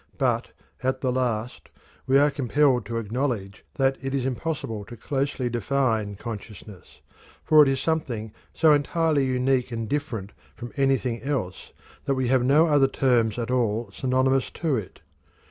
But, at the last, we are compelled to acknowledge that it is impossible to closely define consciousness, for it is something so entirely unique and different from anything else that we have no other terms at all synonymous to it.